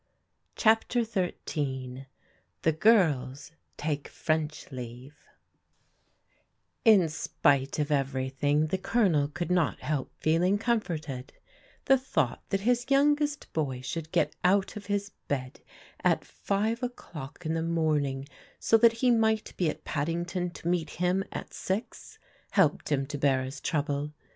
C3IAPTER XIII THE GIRLS TAKE FRENCH LEAVE IN spite of everything the Colonel could not help feel ing comforted The thou^t that his youngest boy should get out of his bed at five o'clock in the morning so that he might be at Paddington to meet him at six helped him to bear his trouble.